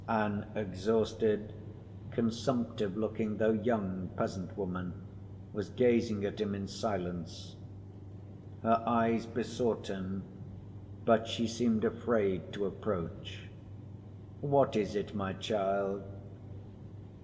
An exhausted, consumptive‐looking, though young peasant woman was gazing at him in silence. Her eyes besought him, but she seemed afraid to approach. "What is it, my child?"